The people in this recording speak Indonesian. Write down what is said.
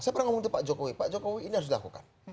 saya pernah ngomong itu pak jokowi pak jokowi ini harus dilakukan